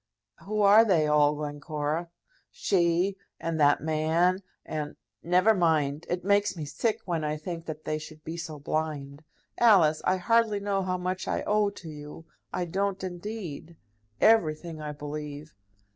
"Who are they all, Glencora?" "She and that man, and . Never mind. It makes me sick when I think that they should be so blind. Alice, I hardly know how much I owe to you; I don't, indeed. Everything, I believe."